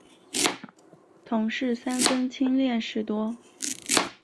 同事三分亲恋事多。